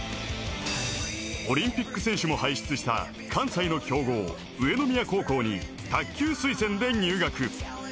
オリンピック選手も輩出した関西の強豪上宮高校に卓球推薦で入学。